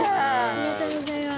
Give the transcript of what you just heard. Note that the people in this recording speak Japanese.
ありがとうございます。